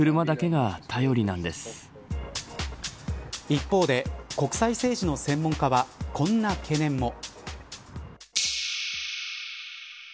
一方で国際政治の専門家はこんな懸念も。